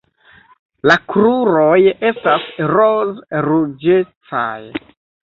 La kruroj estas roz-ruĝecaj.